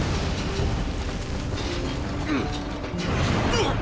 うっ！